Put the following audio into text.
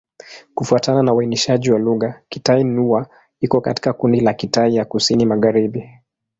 Kufuatana na uainishaji wa lugha, Kitai-Nüa iko katika kundi la Kitai ya Kusini-Magharibi.